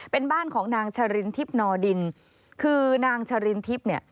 เป็นบ้านของนางชรินทิพย์นอดินคือนางชรินทิพย์เนี่ย